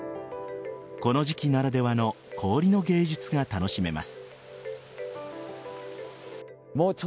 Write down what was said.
この時期ならではの氷の芸術が楽しめます。